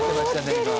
今。